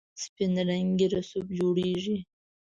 سپین رنګی رسوب جوړیږي.